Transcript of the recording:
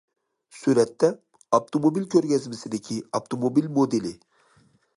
سۈرەتتە: ئاپتوموبىل كۆرگەزمىسىدىكى ئاپتوموبىل مودېلى.